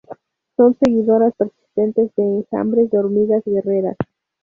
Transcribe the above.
Son seguidoras persistentes de enjambres de hormigas guerreras.